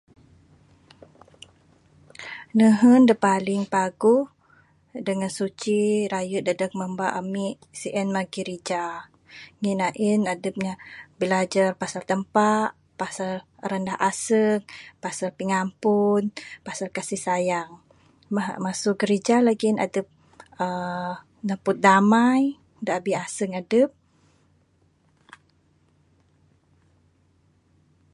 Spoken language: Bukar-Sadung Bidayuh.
Nehun da paling paguh dengan suci rayu dadeg mamba amik sien mah girija. Ngin ain adup bilajar pasal Tampa, pasal rendah asung, pasal pingampun, pasal kasih sayang. Meh masu girija lagik adup uhh napud damai da abih asung adup.